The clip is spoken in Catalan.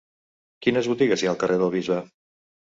Quines botigues hi ha al carrer del Bisbe?